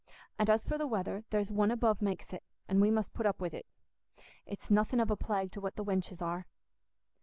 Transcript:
And as for the weather, there's One above makes it, and we must put up wi't: it's nothing of a plague to what the wenches are."